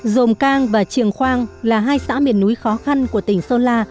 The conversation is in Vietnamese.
dồn cang và triềng khoang là hai xã miền núi khó khăn của tỉnh sơn la